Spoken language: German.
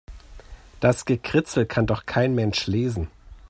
Das Gekritzel kann doch kein Mensch lesen.